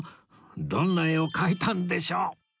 どんな絵を描いたんでしょう？